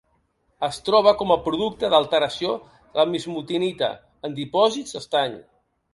Es troba com a producte d'alteració de la bismutinita en dipòsits d'estany.